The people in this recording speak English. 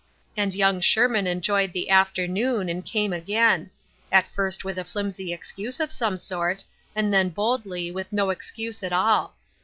And young Sherman enjoyed the afternoon, and came again ; at first with a flimsy excuse of some sort, and then boldly, with no excuse at all.